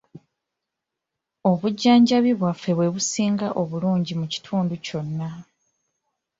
Obujjanjabi bwaffe bwe businga obulungi mu kitundu kyonna.